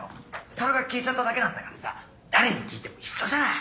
それが消えちゃっただけなんだからさ誰に聞いても一緒じゃない。